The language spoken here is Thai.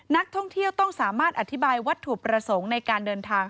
นักท่องเที่ยวต้องสามารถอธิบายวัตถุประสงค์ในการเดินทาง